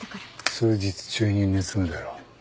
数日中に盗むだろう。